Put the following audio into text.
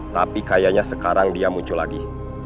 tapi kayaknya sekarang dia muncul lagi